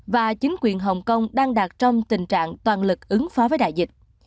và chính quyền hồng kông đang đạt trong tình trạng toàn lực ứng phó với đại dịch